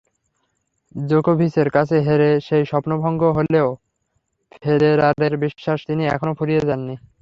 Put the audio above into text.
জোকোভিচের কাছে হেরে সেই স্বপ্নভঙ্গ হলেও ফেদেরারের বিশ্বাস, তিনি এখনো ফুরিয়ে যাননি।